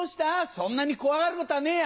そんなに怖がることはねえや！